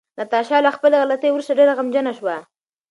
ناتاشا له خپلې غلطۍ وروسته ډېره غمجنه شوه.